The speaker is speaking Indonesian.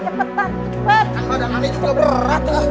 kan badangannya juga berat tuh